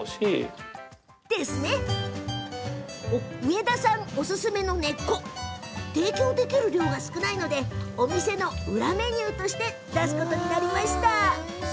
植田さんおすすめの根っこ。提供できる量が少ないのでお店の裏メニューとして出すことになりました。